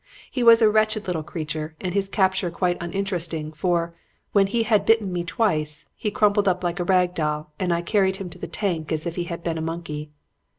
He was a wretched little creature and his capture quite uninteresting; for, when he had bitten me twice, he crumpled up like a rag doll and I carried him to the tank as if he had been a monkey.